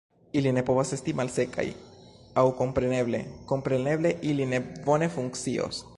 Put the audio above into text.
Ili ne povas esti malsekaj, aŭ kompreneble, kompreneble ili ne bone funkcios.